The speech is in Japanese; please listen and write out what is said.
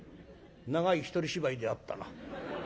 「長い一人芝居であったな。